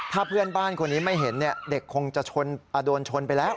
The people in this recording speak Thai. ถ้าเพื่อนบ้านคนนี้ไม่เห็นเด็กคงจะโดนชนไปแล้ว